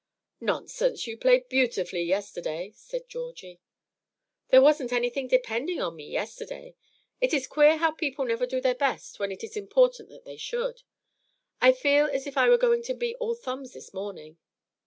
"Nonsense! you played beautifully yesterday," said Georgie. "There wasn't anything depending on me yesterday. It is queer how people never do their best when it is important that they should. I feel as if I were going to be all thumbs this morning."